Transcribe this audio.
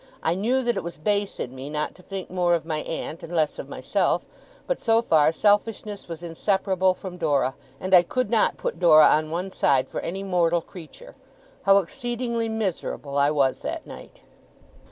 I knew that it was base in me not to think more of my aunt, and less of myself; but, so far, selfishness was inseparable from Dora, and I could not put Dora on one side for any mortal creature. How exceedingly miserable I was, that night!